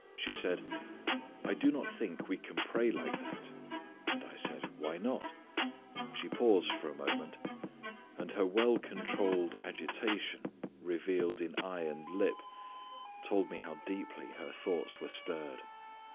She said, "I do not think we can pray like that." And I said, "Why not?" She paused a moment, and her well controlled agitation revealed in eye and lip told me how deeply her thoughts were stirred.